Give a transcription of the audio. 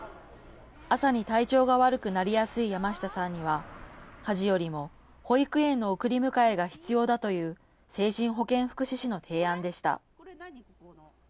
朝に体調が悪くなりやすい山下さんには、家事よりも保育園の送り迎えが必要だという精神保健福祉士の提案でした。